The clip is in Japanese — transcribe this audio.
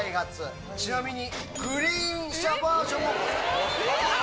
ちなみに。